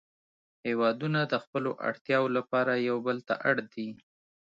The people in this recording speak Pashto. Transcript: هیوادونه د خپلو اړتیاوو لپاره یو بل ته اړ دي